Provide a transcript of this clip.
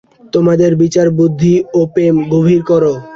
তোমাদের বিচার-বুদ্ধি ও প্রেম গভীর কর।